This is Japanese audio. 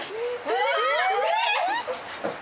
えっ！？